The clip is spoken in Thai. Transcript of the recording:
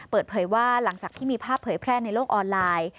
เปิดเผยว่าหลังจากที่มีภาพเผยแพร่ในโลกออนไลน์